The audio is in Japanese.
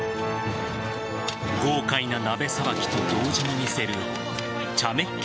豪快な鍋さばきと同時に見せる茶目っ気